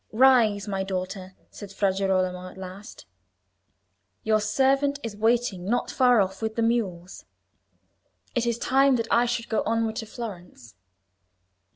"Rise, my daughter," said Fra Girolamo at last. "Your servant is waiting not far off with the mules. It is time that I should go onward to Florence."